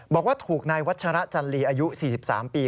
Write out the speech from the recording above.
บอกว่าถูกนายวัชระจันลีอายุ๔๓ปี